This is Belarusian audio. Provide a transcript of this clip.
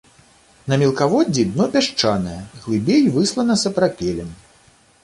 На мелкаводдзі дно пясчанае, глыбей выслана сапрапелем.